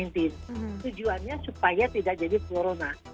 tujuannya supaya tidak jadi flurona